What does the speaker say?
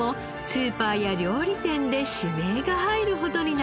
スーパーや料理店で指名が入るほどになりました。